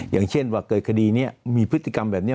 อย่างเช่นว่าเกิดคดีนี้มีพฤติกรรมแบบนี้